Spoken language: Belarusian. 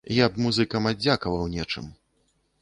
Я б музыкам аддзякаваў нечым.